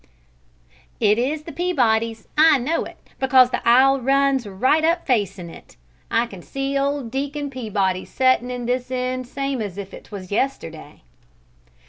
"It is the Peabodys', I know it, because the aisle runs right up facin' it. I can see old Deacon Peabody settin' in this end same as if 'twas yesterday."